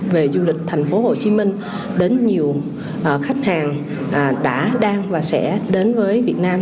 về du lịch tp hcm đến nhiều khách hàng đã đang và sẽ đến với việt nam